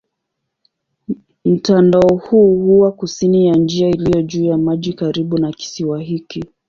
Mtandao huu huwa kusini ya njia iliyo juu ya maji karibu na kisiwa hiki.